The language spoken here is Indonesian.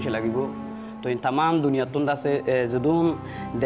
saya jangan sekadari buat nasihat